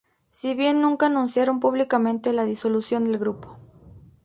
Si bien nunca anunciaron públicamente la disolución del grupo.